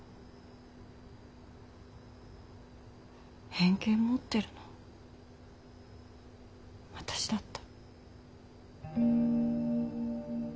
偏見持ってるの私だった。